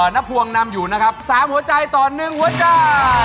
นภวงนำอยู่นะครับ๓หัวใจต่อ๑หัวใจ